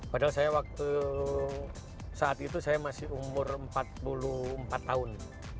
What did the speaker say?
padahal saya waktu saat itu saya masih umur empat puluh empat tahun